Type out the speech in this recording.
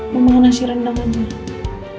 mau nasi rendang aja